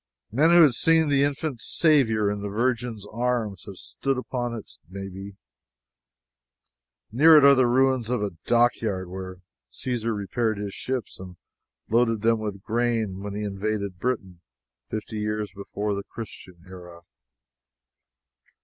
Men who had seen the infant Saviour in the Virgin's arms have stood upon it, maybe. Near it are the ruins of a dockyard where Caesar repaired his ships and loaded them with grain when he invaded Britain, fifty years before the Christian era.